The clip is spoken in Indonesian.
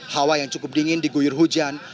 hawa yang cukup dingin diguyur hujan